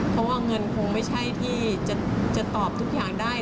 เพราะว่าเงินคงไม่ใช่ที่จะตอบทุกอย่างได้